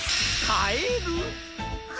カエル。